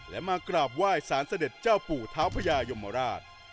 และมากราบไหว้สารเสด็จเจ้าปู่เท้าพญายมราช